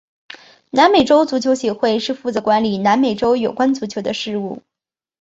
南美洲足球协会是负责管理南美洲有关足球的事务。